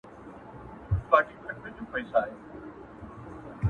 o اوبه په توره نه بېلېږي.